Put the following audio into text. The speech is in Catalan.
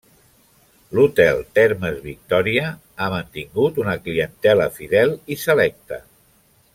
L’Hotel Termes Victòria ha mantingut una clientela fidel i selecta.